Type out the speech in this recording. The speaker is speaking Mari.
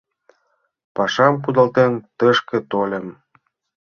Пашам кудалтен, тышке тольым.